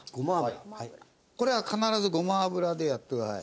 これは必ずごま油でやってください。